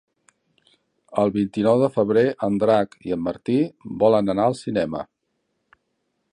El vint-i-nou de febrer en Drac i en Martí volen anar al cinema.